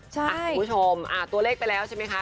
คุณผู้ชมตัวเลขไปแล้วใช่ไหมคะ